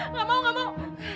nggak mau nggak mau